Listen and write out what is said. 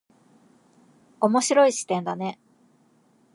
面白い視点だね。